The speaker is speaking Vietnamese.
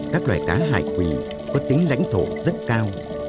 các loài cá hải quỳ có tính lãnh thổ rất cao